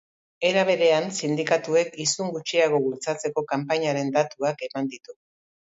Era berean, sindikatuek isun gutxiago bultzatzeko kanpainaren datuak eman ditu.